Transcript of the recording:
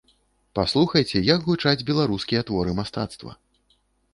Паслухайце, як гучаць беларускія творы мастацтва!